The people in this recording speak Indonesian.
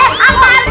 eh apaan tuh